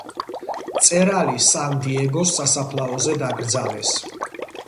მწერალი სან-დიეგოს სასაფლაოზე დაკრძალეს.